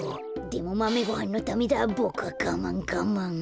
でもマメごはんのためだボクはがまんがまん。